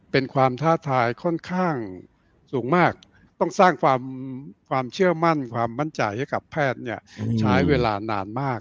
เป็นความท้าทายค่อนข้างสูงมากต้องสร้างความเชื่อมั่นความมั่นใจให้กับแพทย์เนี่ยใช้เวลานานมาก